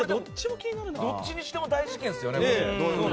どっちにしても大事件ですよね。